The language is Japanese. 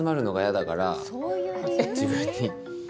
自分に。